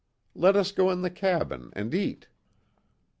Let us go in the cabin and eat."